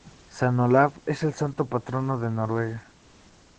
San Olaf es el santo patrono de Noruega.